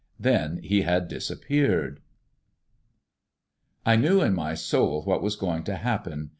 Then he had disappeared. I knew in my soul what was going to happen.